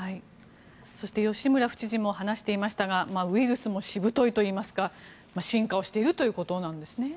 そして吉村府知事も話していましたがウイルスもしぶといといいますか進化をしているということなんですね。